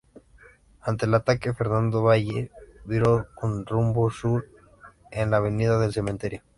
Ante el ataque, Fernando Valle viró con rumbo sur en la Avenida del Cementerio.